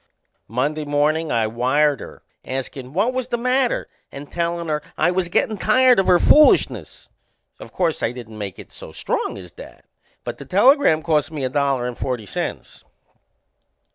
Monday mornin' I wired her askin' what was the matter and tellin' her I was gettin' tired of her foolishness. O' course I didn't make it so strong as that but the telegram cost me a dollar and forty cents.